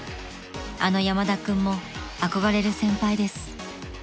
［あの山田君も憧れる先輩です］